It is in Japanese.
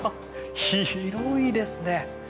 広いですね！